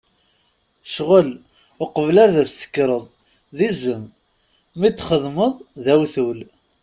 Ccɣel, uqbel ad as-tekkreḍ, d izem! Mi t-txedmeḍ, d awtul.